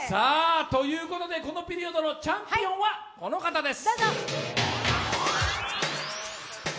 このピリオドのチャンピオンは、この方です。